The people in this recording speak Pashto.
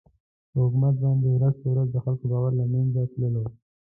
پر حکومت باندې ورځ په ورځ د خلکو باور له مېنځه تللو.